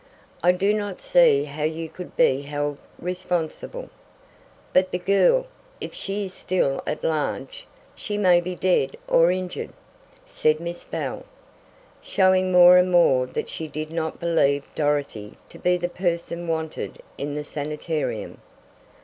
"I do not see how you could be held responsible." "But the girl if she is still at large, she may be dead or injured," said Miss Bell, showing more and more that she did not believe Dorothy to be the person wanted in the sanitarium.